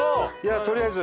とりあえず。